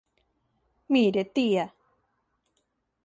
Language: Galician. _Mire, tía.